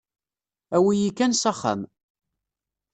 Awi-yi kan s axxam.